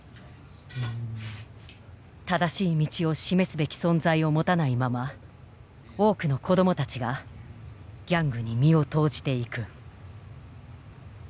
正しい道を示すべき存在を持たないまま多くの子どもたちがギャングに身を投じていく。